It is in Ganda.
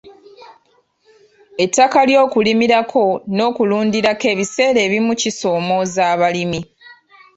Ettaka ly'okulimirako n'okulundirako ebiseera ebimu kisoomooza abalimi